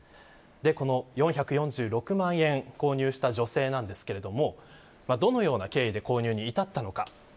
この４４６万円購入した女性ですがどのような経緯で購入に至ったのか。